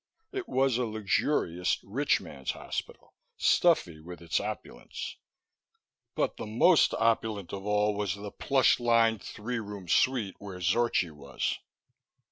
It was a luxurious, rich man's hospital, stuffy with its opulence; but the most opulent of all was the plush lined three room suite where Zorchi was.